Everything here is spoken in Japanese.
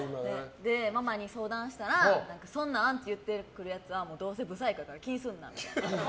ママに相談したらそんなアンチ言ってくるやつはどうせブサイクやから気にするな。